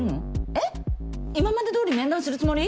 えっ今までどおり面談するつもり？